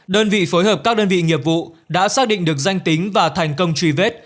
đơn vị phối hợp các đơn vị nghiệp vụ đã xác định được danh tính và thành công truy vết